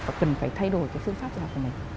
và cần phải thay đổi cái phương pháp cho học sinh